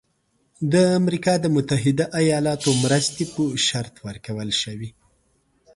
د امریکا د متحده ایالاتو مرستې په شرط ورکول شوی.